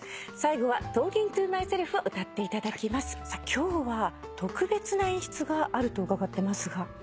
今日は特別な演出があると伺ってますが。